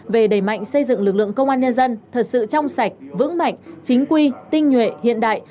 về đẩy mạnh xây dựng lực lượng công an nhân dân thật sự trong sạch vững mạnh chính quy tinh nhuệ hiện đại